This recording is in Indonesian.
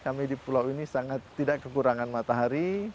kami di pulau ini sangat tidak kekurangan matahari